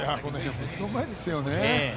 本当にうまいですよね。